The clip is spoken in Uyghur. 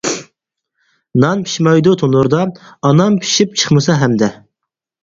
نان پىشمايدۇ تونۇردا، ئانام پىشىپ چىقمىسا ھەمدە.